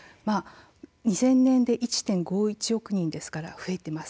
２０００年は１．５１億人ですからかなり増えています。